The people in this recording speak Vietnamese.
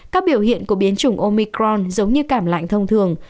các biểu hiện của biến chủng omicron giống như cảm lạnh thông thường